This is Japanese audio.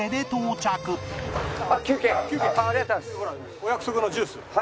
お約束のジュース。